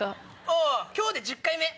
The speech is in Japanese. あぁ今日で１０回目。